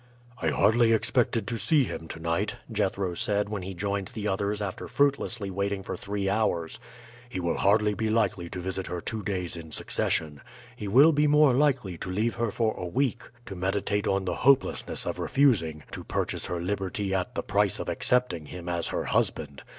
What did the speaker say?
"I hardly expected to see him to night," Jethro said when he joined the others after fruitlessly waiting for three hours. "He will hardly be likely to visit her two days in succession. He will be more likely to leave her for a week to meditate on the hopelessness of refusing to purchase her liberty at the price of accepting him as her husband.